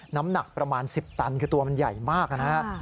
น้ำหนักประมาณ๑๐ตันคือตัวมันใหญ่มากนะฮะ